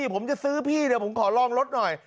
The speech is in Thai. ผมจะซื้อพี่ผมขอลองรถหน่อย